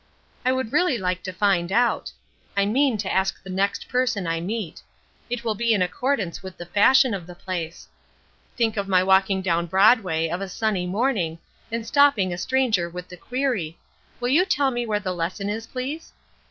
I would really like to find out. I mean to ask the next person I meet. It will be in accordance with the fashion of the place. Think of my walking down Broadway of a sunny morning and stopping a stranger with the query, 'Will you tell me where the lesson is, please?'"